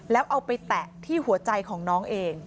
แล้วเอาไปแตะที่หัวใจของน้องเอง